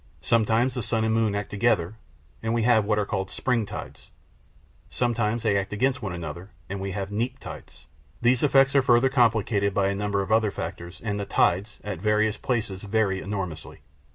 Sometimes the sun and moon act together, and we have what are called spring tides; sometimes they act against one another, and we have neap tides. These effects are further complicated by a number of other factors, and the tides, at various places, vary enormously.